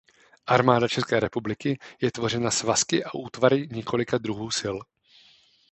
Armáda České republiky je tvořena svazky a útvary několika druhů sil.